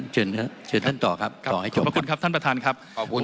เชิญท่านต่อครับต่อให้จบครับ